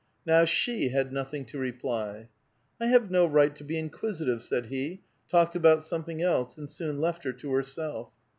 Now she had nothing to reply. " I have no right to be inquisitive," said he ; talked about something else, and soon left her to herself.